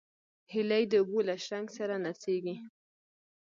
هیلۍ د اوبو له شرنګ سره نڅېږي